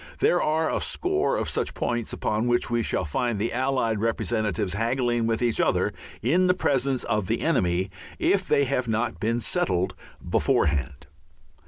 There are a score of such points upon which we shall find the Allied representatives haggling with each other in the presence of the enemy if they have not been settled beforehand.